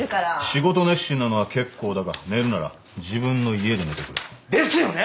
仕事熱心なのは結構だが寝るなら自分の家で寝てくれ。ですよね！